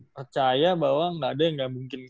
percaya bahwa gak ada yang gak mungkin